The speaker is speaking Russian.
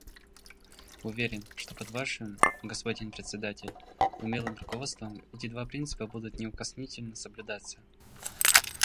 Уверен, что под Вашим, господин Председатель, умелым руководством эти два принципа будут неукоснительно соблюдаться.